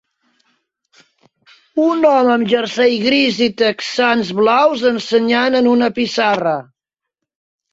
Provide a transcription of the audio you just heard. Un home amb jersei gris i texans blaus ensenyant en una pissarra.